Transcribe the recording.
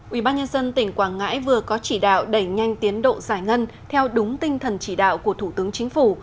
ubnd tỉnh quảng ngãi vừa có chỉ đạo đẩy nhanh tiến độ giải ngân theo đúng tinh thần chỉ đạo của thủ tướng chính phủ